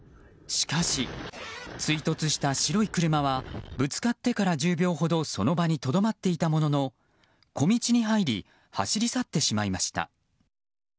しかし、追突した白い車はぶつかってから１０秒ほどその場にとどまっていたものの小道に入り走り去ってしまいました。